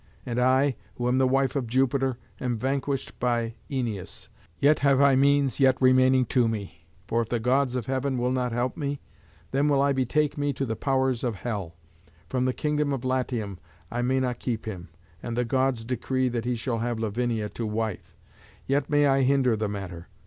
And I, who am the wife of Jupiter, am vanquished by Æneas! Yet have I means yet remaining to me, for if the Gods of heaven will not help me, then will I betake me to the powers of hell. From the kingdom of Latium I may not keep him, and the Gods decree that he shall have Lavinia to wife. Yet may I hinder the matter.